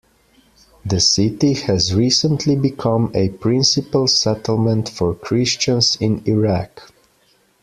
The city has recently become a principal settlement for Christians in Iraq.